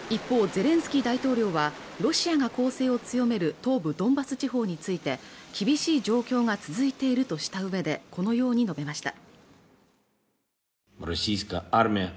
ゼレンスキー大統領はロシアが攻勢を強める東部ドンバス地方について厳しい状況が続いているとしたうえでこのように述べました